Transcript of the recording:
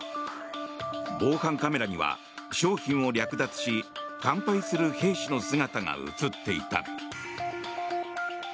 防犯カメラには商品を略奪し乾杯する兵士の姿が映っていた。